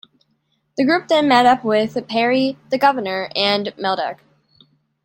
The group then meet up with Peri, the Governor, and Meldak.